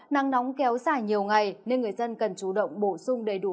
nắng nóng kéo dài nhiều ngày nên người dân cần chủ động bổ sung đầy đủ